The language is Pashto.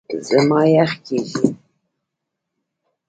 زما یخ کېږي .